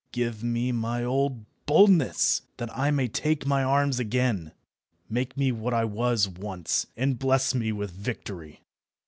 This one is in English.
Give me my old boldness, that I may take my arms again; make me what I was once, and bless me with victory."